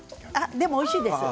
でも、おいしいですよ